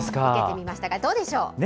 生けてみましたが、どうでしょう。